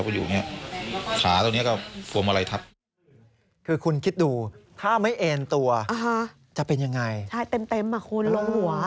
ใช่เต็มคุณลงหัว